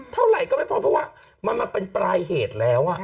เท่าไหร่ก็ไม่พอเพราะว่ามันมาเป็นปลายเหตุแล้ว